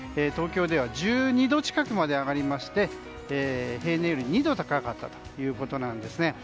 東京では１２度近くまで上がりまして平年より２度高かったということです。